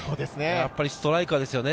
やっぱりストライカーですよね。